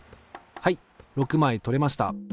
はい６枚撮れました。